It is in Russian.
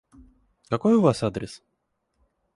Какой у вас адрес?